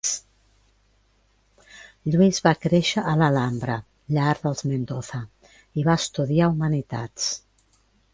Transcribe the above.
Lluís va créixer a l'Alhambra, llar dels Mendoza, i va estudiar humanitats.